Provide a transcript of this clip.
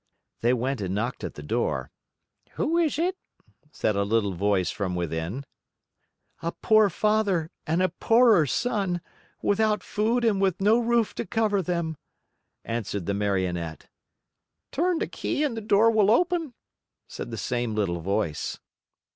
They went and knocked at the door. "Who is it?" said a little voice from within. "A poor father and a poorer son, without food and with no roof to cover them," answered the Marionette. "Turn the key and the door will open," said the same little voice.